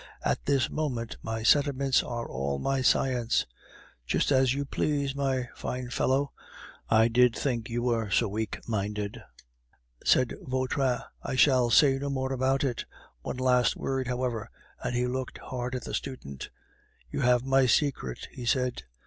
At this moment my sentiments are all my science." "Just as you please, my fine fellow; I did think you were so weak minded," said Vautrin, "I shall say no more about it. One last word, however," and he looked hard at the student "you have my secret," he said.